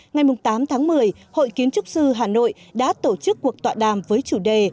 ngày tám tháng một mươi hội kiến trúc sư hà nội đã tổ chức cuộc tọa đàm với chủ đề